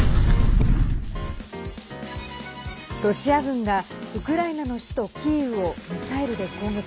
ロシア軍がウクライナの首都キーウをミサイルで攻撃。